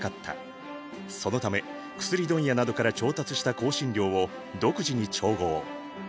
そのため薬問屋などから調達した香辛料を独自に調合。